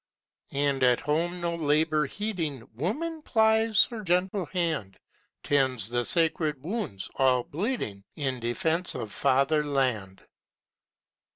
And at home, no labour heeding, Woman plies her gentle hand, Tends the sacred wounds all bleeding In defence of fatherland.